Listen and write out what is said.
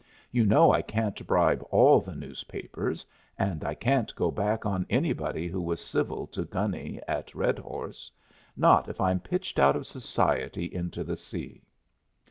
You know I can't bribe all the newspapers, and I can't go back on anybody who was civil to Gunny at Redhorse not if I'm pitched out of society into the sea.